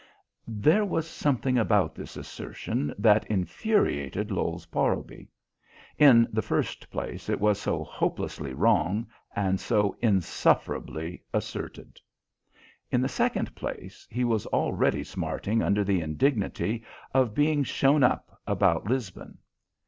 There was something about this assertion that infuriated Lowes Parlby. In the first place, it was so hopelessly wrong and so insufferably asserted. In the second place, he was already smarting under the indignity of being shown up about Lisbon.